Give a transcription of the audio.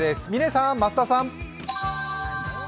嶺さん、増田さん。